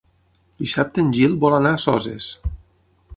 Dissabte en Gil vol anar a Soses.